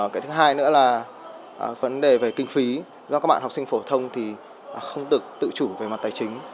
cái thứ hai nữa là vấn đề về kinh phí do các bạn học sinh phổ thông thì không được tự chủ về mặt tài chính